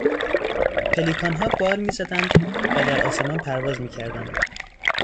پلیکانها بال میزدند و در آسمان پرواز میکردند.